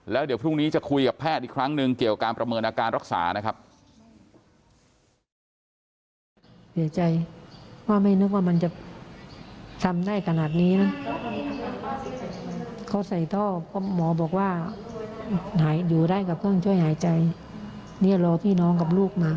แล้วเดี๋ยวพรุ่งนี้จะคุยกับแพทย์อีกครั้งหนึ่งเกี่ยวกับการประเมินอาการรักษานะครับ